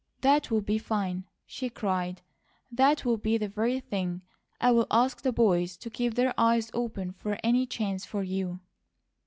"That will be fine!" she cried. "That will be the very thing. I'll ask the boys to keep their eyes open for any chance for you."